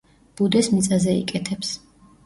ბუდეს მიწაზე იკეთებს.